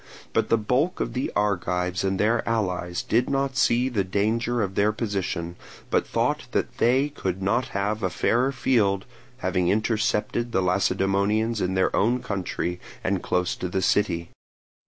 Now the bulk of the Argives and their allies did not see the danger of their position, but thought that they could not have a fairer field, having intercepted the Lacedaemonians in their own country and close to the city.